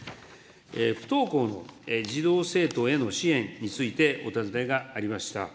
不登校の児童・生徒への支援についてお尋ねがありました。